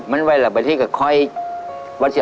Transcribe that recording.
มันเป็นเขาเฉย